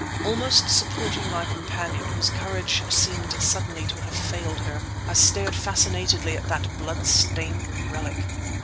Almost supporting my companion, whose courage seemed suddenly to have failed her, I stared fascinatedly at that blood stained relic.